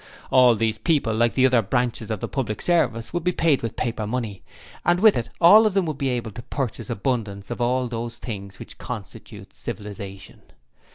All these people like the other branches of the public service would be paid with paper money, and with it all of them would be able to purchase abundance of all those things which constitute civilization.